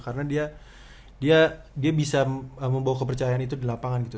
karena dia bisa membawa kepercayaan itu di lapangan gitu